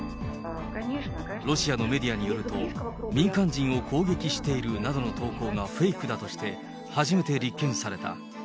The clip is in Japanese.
ロシアのメディアによると、民間人を攻撃しているなどの投稿がフェイクだとして、初めて立件された。